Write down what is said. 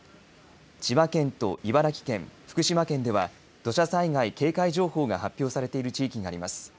千葉県と茨城県、福島県では土砂災害警戒情報が発表されている地域があります。